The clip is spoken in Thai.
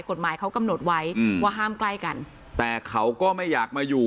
กฎหมายเขากำหนดไว้อืมว่าห้ามใกล้กันแต่เขาก็ไม่อยากมาอยู่